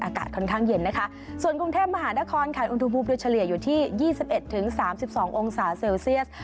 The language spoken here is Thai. อากาศค่อนข้างเย็นนะคะส่วนกรุงเทพมหานครคันอุณหภูมิด้วยเฉลี่ยอยู่ที่ยี่สิบเอ็ดถึงสามสิบสององศาเซลเซียส